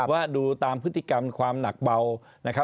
ว่าดูตามพฤติกรรมความหนักเบานะครับ